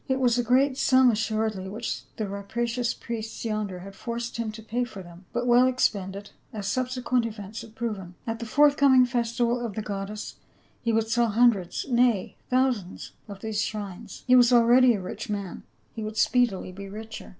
It was a great sum assuredly which the rapacious priests yonder had forced him to pay for them — but well expended, as subsequent events had proven. At the forthcoming festival of the goddess he would sell lumdreds — na) thousands — of these shrines. He was already a rich man ; he would .speedily be richer.